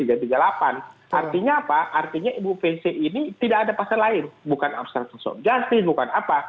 artinya apa artinya ibu pc ini tidak ada pasal lain bukan obstruction of justice bukan apa